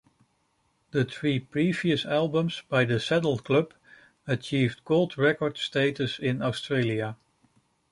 The three previous albums by "The Saddle Club" achieved gold record status in Australia.